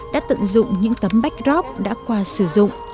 đã tận dụng những tấm backrop đã qua sử dụng